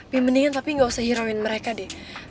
bi mendingan tapi gak usah heroin mereka deh